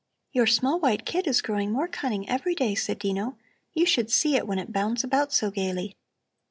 "Your small white kid is growing more cunning every day," said Dino. "You should see it when it bounds about so gaily."